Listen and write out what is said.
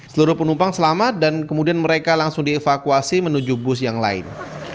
seluruh penumpang selamat dan kemudian mereka langsung dievakuasi menuju bus yang lain